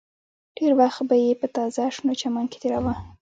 ډېر وخت به یې په تازه شنه چمن کې تېراوه